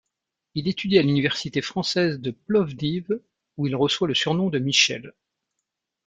Il étudie à l'université française de Plovdiv, où il reçoit le surnom de Michel.